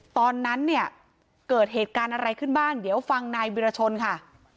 ตอนนั้นเนี่ยเกิดเหตุการณ์อะไรขึ้นบ้างเดี๋ยวฟังนายวิรชนค่ะ